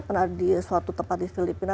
pernah di suatu tempat di filipina